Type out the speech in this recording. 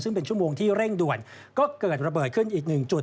ซึ่งเป็นชั่วโมงที่เร่งด่วนก็เกิดระเบิดขึ้นอีกหนึ่งจุด